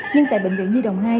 nhưng tại bệnh viện nhi đồng hai